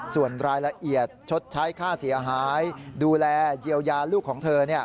ส่วนรายละเอียดชดใช้ค่าเสียหายดูแลเยียวยาลูกของเธอ